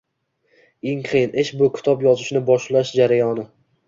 eng qiyin ish bu kitob yozishni boshlash jarayoni